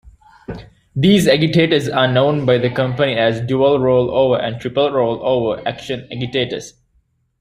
These agitators are known by the company as dual-rollover and triple-rollover action agitators.